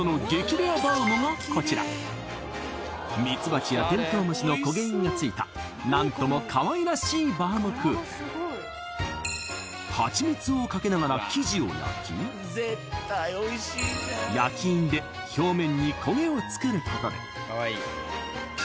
レアバウムがこちらミツバチやテントウ虫のコゲ印がついた何ともかわいらしいバウムクーヘンはちみつをかけながら生地を焼き焼き印で表面にコゲを作ることで層の間にたまった蜜の甘さとコゲが